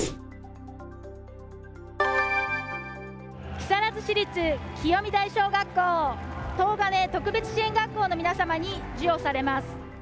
木更津市立清見台小学校、東金特別支援学校の皆様に授与されます。